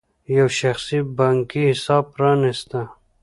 یو شخصي بانکي حساب پرانېسته.